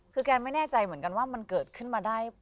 คือแกไม่แน่ใจเหมือนกันว่ามันเกิดขึ้นมาได้